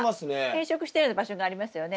変色したような場所がありますよね。